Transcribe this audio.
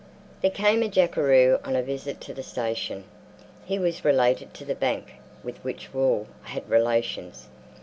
There came a jackaroo on a visit to the station. He was related to the bank with which Wall had relations.